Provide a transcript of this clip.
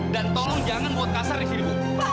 dan tolong jangan buat kasar di sini bu